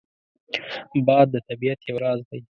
باد د طبیعت یو راز دی